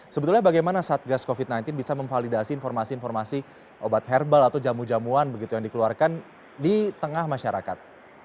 sebetulnya bagaimana satgas covid sembilan belas bisa memvalidasi informasi informasi obat herbal atau jamu jamuan begitu yang dikeluarkan di tengah masyarakat